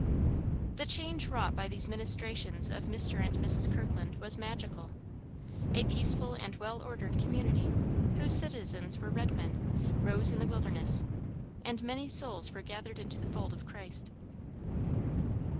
The change wrought by these ministrations of Mr. and Mrs. Kirkland was magical. A peaceful and well ordered community, whose citizens were red men, rose in the wilderness, and many souls were gathered into the fold of Christ.